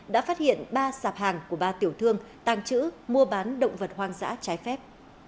đã phát hiện ba sạp hàng của ba tiểu thương tàng trữ mua bán động vật hoang dã trái phép